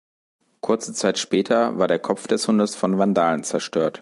Kurze Zeit später war der Kopf des Hundes von Vandalen zerstört.